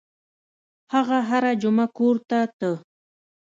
هغه هره جمعه کور ته ته.